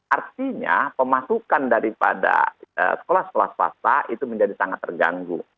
artinya pemasukan daripada sekolah sekolah swasta itu menjadi sangat terganggu